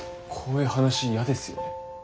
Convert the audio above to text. こういう話苦手っすよね？